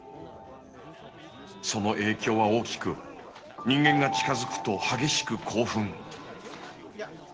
その影響は大きく人間が近づくと激しく興奮。